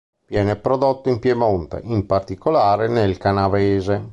Viene prodotto in Piemonte, in particolare nel Canavese.